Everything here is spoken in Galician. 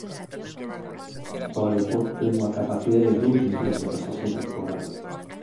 O aeroporto ten unha capacidade de dous millóns de pasaxeiros por ano.